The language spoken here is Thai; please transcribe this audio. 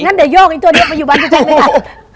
นั้นเดี๋ยวโยกอีกตัวเนาะไปอยู่บ้านพี่แจ๊คไปกัน